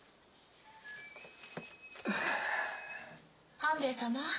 半兵衛様